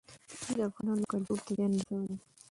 دوی د افغانانو کلتور ته زیان رسولی دی.